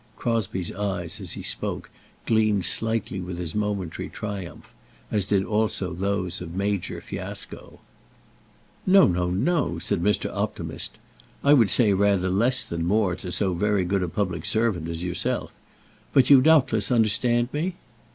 Crosbie's eyes, as he spoke, gleamed slightly with his momentary triumph; as did also those of Major Fiasco. "No, no, no," said Mr. Optimist; "I would say rather less than more to so very good a public servant as yourself. But you, doubtless, understand me?"